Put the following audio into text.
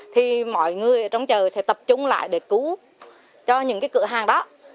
thì mọi người ở trong chợ sẽ tập trung lại để cứu cho những cái cửa hàng đó